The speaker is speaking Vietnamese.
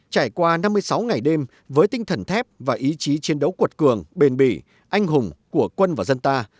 trải qua năm mươi sáu ngày đêm với tinh thần thép và ý chí chiến đấu cuột cường bền bỉ anh hùng của quân và dân ta